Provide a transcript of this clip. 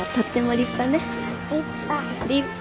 立派。